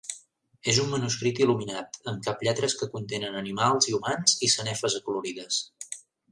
És un manuscrit il·luminat, amb caplletres que contenen animals i humans i sanefes acolorides.